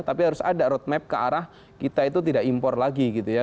tapi harus ada roadmap ke arah kita itu tidak impor lagi gitu ya